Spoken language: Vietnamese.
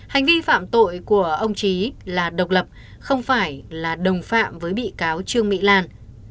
hành vi phạm tội của ông trí là độc lập không phải là đồng phạm với bị cáo trương mỹ lan